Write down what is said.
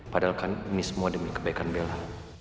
padahal kan ini semua demi kebaikan bela